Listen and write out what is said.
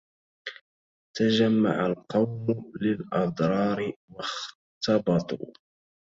تجمع القوم للأضرار واختبطوا